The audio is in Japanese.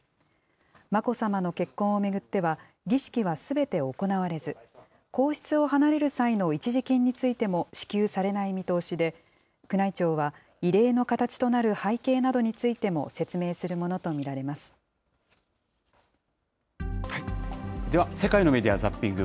眞子さまの結婚を巡っては、儀式はすべて行われず、皇室を離れる際の一時金についても支給されない見通しで、宮内庁は異例の形となる背景などについても説明するものと見られでは、世界のメディア・ザッピング。